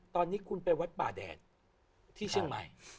ตอนนี้คุณไปวัดป่าแดดที่เชียงใหม่